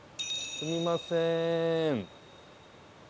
すみません。